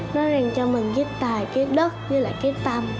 nói ràng cho mình cái tài cái đất với lại cái tâm